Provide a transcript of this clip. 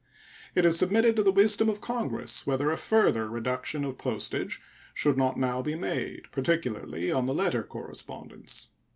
It is submitted to the wisdom of Congress whether a further reduction of postage should not now be made, more particularly on the letter correspondence.